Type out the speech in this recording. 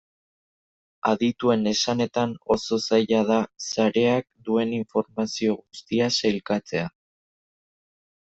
Adituen esanetan oso zaila da sareak duen informazio guztia sailkatzea.